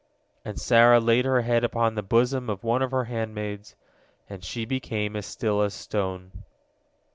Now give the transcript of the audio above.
And Sarah laid her head upon the bosom of one of her handmaids, and she became as still as a stone.